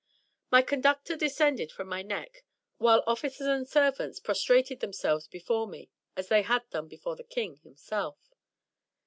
My conductor descended from my neck, while officers and servants prostrated themselves before me as they had done before the King himself.